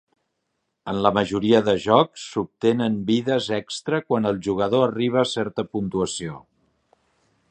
En la majoria de jocs s'obtenen vides extra quan el jugador arriba a certa puntuació.